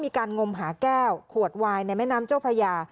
งมหาแก้วขวดวายในแม่น้ำเจ้าพระยา